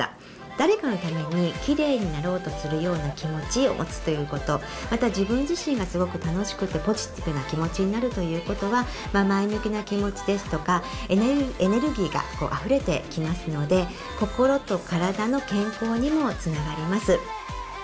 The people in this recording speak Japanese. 誰かのためにキレイになろうとするような気持ちを持つということまた自分自身がすごく楽しくてポジティブな気持ちになるということは前向きな気持ちですとかエネルギーがあふれてきますので心と体の健康にもつながります。